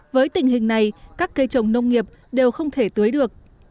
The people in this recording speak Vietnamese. với tình hình này các cây trồng nông nghiệp đều không thể tưới được